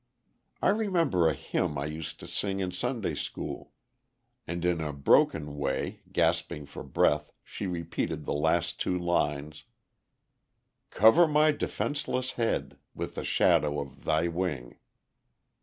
I remember a hymn I used to sing in Sunday school." And in a broken way, gasping for breath, she repeated the last two lines: "Cover my—defenceless head With the shadow—of—Thy wing."